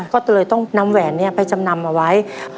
ก็เลยต้องนำแหวนไปจำนำเอาไว้